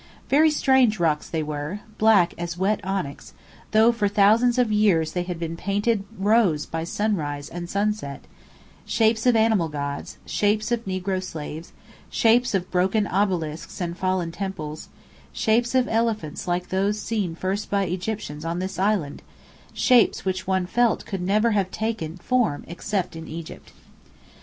Very strange rocks they were, black as wet onyx, though for thousands of years they had been painted rose by sunrise and sunset; shapes of animal gods, shapes of negro slaves, shapes of broken obelisks and fallen temples; shapes of elephants like those seen first by Egyptians on this island; shapes which one felt could never have taken form except in Egypt.